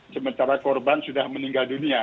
sementara korban sudah meninggal dunia